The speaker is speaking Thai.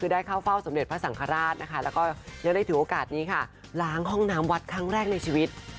ได้เข้าเฝ้าสมเด็จพระสังฆราชนะคะแล้วก็ยังได้ถือโอกาสนี้ค่ะล้างห้องน้ำวัดครั้งแรกในชีวิต